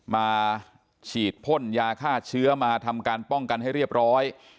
มาฉีดพ่นยาฆ่าเชื้อมาทำการป้องกันให้เรียบร้อย